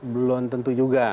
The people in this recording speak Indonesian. belum tentu juga